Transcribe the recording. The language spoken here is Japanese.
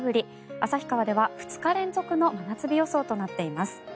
旭川では２日連続の真夏日予想なっています。